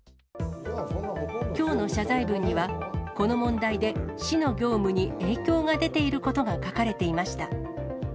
きょうの謝罪文には、この問題で市の業務に影響が出ていることが書かれていました。